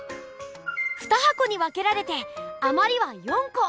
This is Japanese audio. ２はこに分けられてあまりは４こ！